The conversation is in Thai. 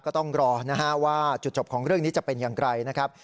ก็ต้องรอนะฮะว่าจุดจบของเรื่องนี้จะเป็นอย่างไรนะครับ